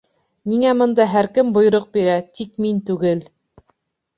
Ниңә бында һәр кем бойороҡ бирә, тик мин түгел?